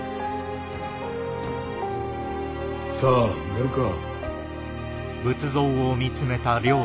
さあ寝るか。